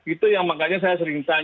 itu yang makanya saya seringkali